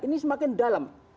ini semakin dalam